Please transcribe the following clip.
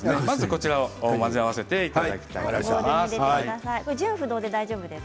こちらを混ぜ合わせていただきます。